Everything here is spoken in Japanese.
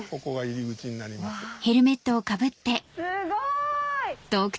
すごい！